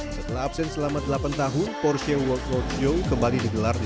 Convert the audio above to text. setelah absen selama delapan tahun porsche world roadshow kembali digelar di